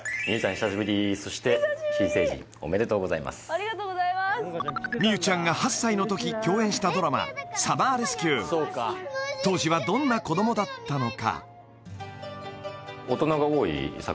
久しぶりそして新成人おめでとうございます望結ちゃんが８歳の時共演したドラマ「サマーレスキュー」当時はどんな子供だったのか？